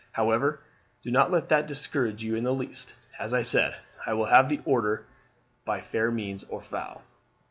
However, do not let that discourage you in the least. As I said, I will have the order by fair means or foul."